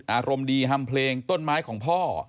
อารมณ์ดีฮัมเพลงต้นไม้ของพ่อ